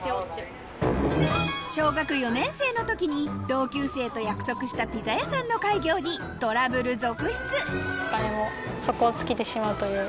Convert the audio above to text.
小学４年生の時に同級生と約束したピザ屋さんの開業にトラブル続出